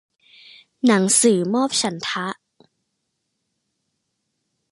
หนังสือมอบฉันทะ